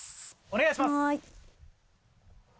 お願いします。